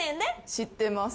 知ってます。